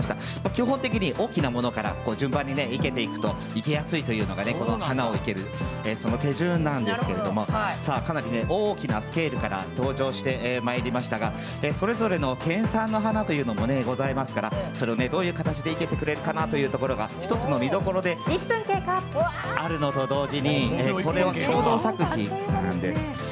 基本的に大きなものから順番に生けていくと生けやすいというのが花を生ける手順なんですけれどもかなり大きなスケールから登場してきましたがそれぞれの県産の花というのもありますからそれを、どういう形で生けてくるかなというところが１つの見どころであるのと同じでこれが共同作品なんです。